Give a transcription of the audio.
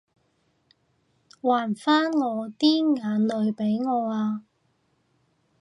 還返我啲眼淚畀我啊